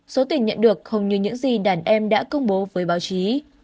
số tiền nhận được không như những gì đàn em đã công bố với báo chí